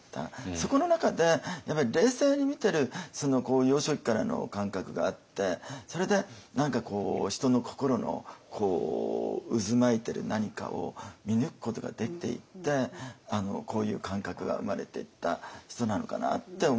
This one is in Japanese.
そこの中で冷静に見てる幼少期からの感覚があってそれで何かこう人の心の渦巻いてる何かを見抜くことができていってこういう感覚が生まれていった人なのかなって思いましたよね。